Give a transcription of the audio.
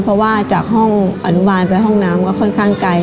เพราะว่าจากห้องอนุบาลไปห้องน้ำก็ค่อนข้างไกล